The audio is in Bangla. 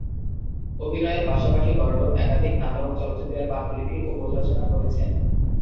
অভিনয়ের পাশাপাশি গর্ডন একাধিক নাটক, চলচ্চিত্রের পাণ্ডুলিপি, ও বই রচনা করেছেন।